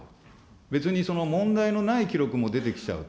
別に問題のない記録も出てきちゃうと。